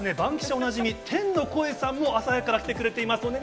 おなじみ、天の声さんも朝早くから来てくれています。